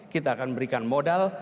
kita akan memberikan modal